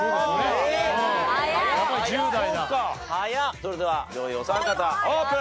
それでは上位お三方オープン！